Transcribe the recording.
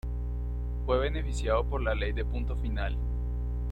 Fue beneficiado por la Ley de Punto Final.